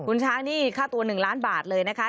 คุณช้างนี่ค่าตัว๑ล้านบาทเลยนะคะ